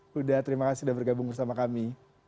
huda terima kasih sudah bergabung bersama kami